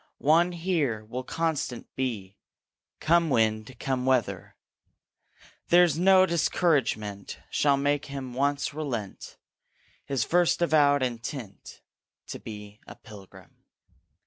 One here will constant be, Come wind, come weather; There's no discouragement Shall make him once relent His first avowed intent To be a Pilgrim.